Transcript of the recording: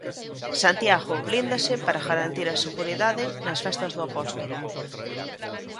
Santiago blíndase para garantir a seguridade nas Festas do Apóstolo.